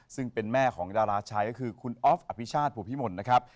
ซึ่งเป็นแม่ของดาราชัยก็คือคุณออฟอภิชาติภูพิมลนะครับ